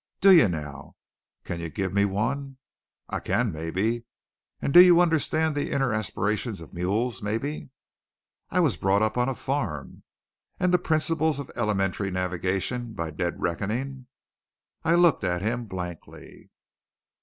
"Do ye now?" "Can you give me one?" "I can, mebbe. And do you understand the inner aspirations of mules, maybe?" "I was brought up on a farm." "And the principles of elementary navigation by dead reckoning?" I looked at him blankly.